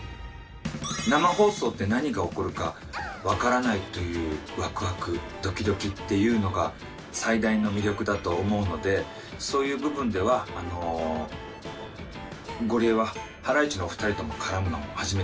生放送って何が起こるか分からないというわくわくドキドキっていうのが最大の魅力だと思うのでそういう部分ではゴリエはハライチの２人とも絡むのも初めてでしたし。